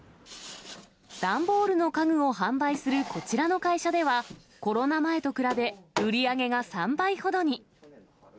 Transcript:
段ボールの家具を販売するこちらの会社では、コロナ前と比べ、売り上げが３倍ほどに。